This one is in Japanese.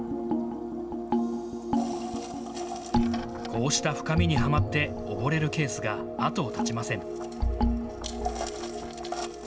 こうした深みにはまって溺れるケースが後を絶ちません。